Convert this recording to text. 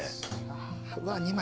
うわ２枚。